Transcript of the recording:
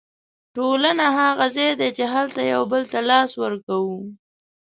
ټولنه هغه ځای دی چې هلته یو بل ته لاس ورکوو.